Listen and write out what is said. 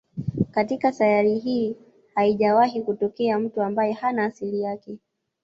Katika sayari hii haijawahi kutokea mtu ambaye hana asili yake